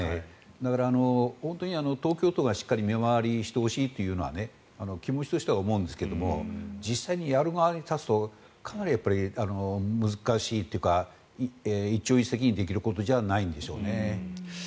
だから、本当に東京都がしっかり見回りしてほしいというのは気持ちとしては思うんですが実際、やる側に立つとかなり難しいというか一朝一夕でできることではないんでしょうね。